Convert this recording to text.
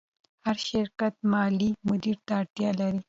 هر شرکت مالي مدیر ته اړتیا لري.